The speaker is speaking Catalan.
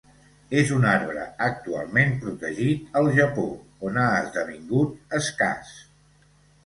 És un arbre actualment protegit al Japó on ha esdevingut escàs.